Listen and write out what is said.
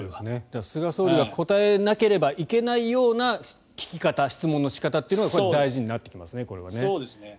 菅総理が答えなければいけないような聞き方、質問の仕方が大事になってきますね。